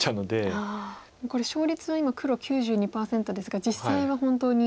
これ勝率は今黒９２％ですが実際は本当に。